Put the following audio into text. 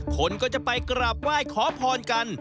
คนก็จะไปกราบไหว้ขอพรกัน